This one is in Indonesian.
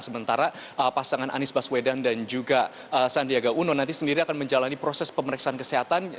sementara pasangan anies baswedan dan juga sandiaga uno nanti sendiri akan menjalani proses pemeriksaan kesehatan